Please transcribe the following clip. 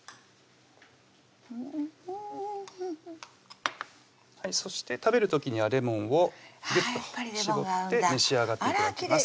うんそして食べる時にはレモンをギュッと搾って召し上がって頂きます